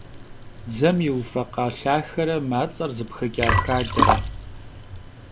Dzem yiufekha lhaxere mats'er zıpxıç'a xadere.